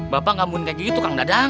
bapak ngambil keju tukang dadang